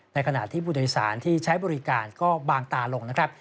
ขณะที่ผู้โดยสารที่ใช้บริการก็บางตาลงนะครับ